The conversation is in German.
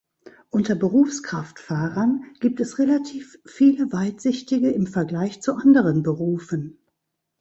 Unter Berufskraftfahrern gibt es relativ viele Weitsichtige im Vergleich zu anderen Berufen.